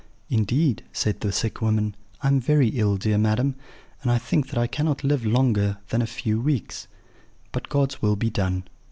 "'Indeed,' said the sick woman, 'I am very ill, dear madam, and I think that I cannot live longer than a few weeks; but God's will be done!